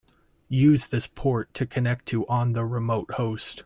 Use this port to connect to on the remote host.